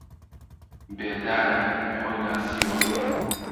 بێدارە، خۆی ناسیوە